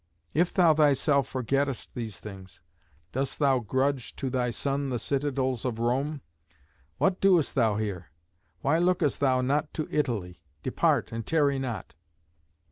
If thou thyself forgettest these things, dost thou grudge to thy son the citadels of Rome? What doest thou here? Why lookest thou not to Italy? Depart and tarry not.'"